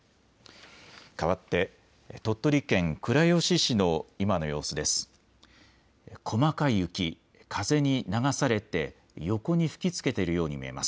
かわって鳥取県倉吉市の今の様子です。